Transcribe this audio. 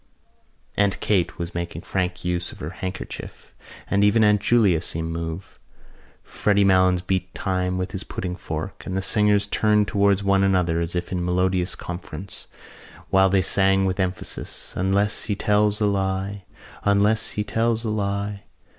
Aunt Kate was making frank use of her handkerchief and even Aunt Julia seemed moved. Freddy Malins beat time with his pudding fork and the singers turned towards one another, as if in melodious conference, while they sang with emphasis: Unless he tells a lie, Unless he tells a lie.